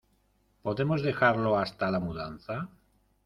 ¿ Podemos dejarlo hasta la mudanza?